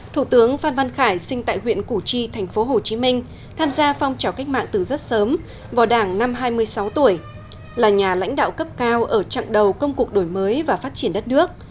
thủ tướng phan văn khải sinh tại huyện củ chi tp hcm tham gia phong trào cách mạng từ rất sớm vào đảng năm hai mươi sáu tuổi là nhà lãnh đạo cấp cao ở chặng đầu công cuộc đổi mới và phát triển đất nước